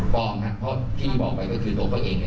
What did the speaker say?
ฟ้องครับเพราะที่บอกไปก็คือตัวเขาเอง